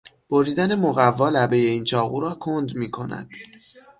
بریدن مقوا لبهی این چاقو را کند میکند.